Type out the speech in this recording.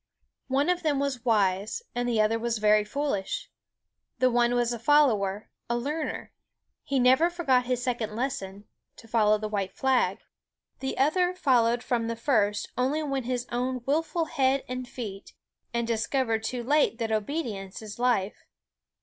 One of them was wise, and the other was very foolish. The one was a follower, a learner; he never forgot his second lesson, to follow the white flag. The other followed from the first only his own willful head and feet, and discovered too late that obedience is life.